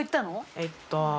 えっと。